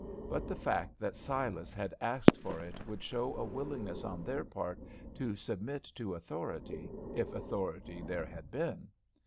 But the fact that Silas had asked for it would show a willingness on their part to submit to authority, if authority there had been.